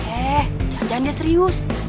eh jangan jangan dia serius